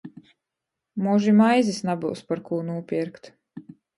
Mož i maizis nabyus, par kū nūpierkt...